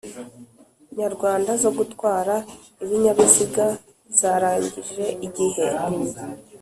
nyarwanda zo gutwara ibinyabiziga zarangije igihe